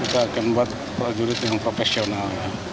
kita akan buat para jurid yang profesional